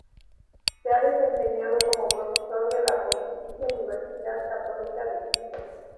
Se ha desempeñado como profesor de la Pontificia Universidad Católica de Quito.